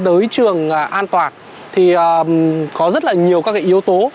đối trường an toàn thì có rất là nhiều các cái yếu tố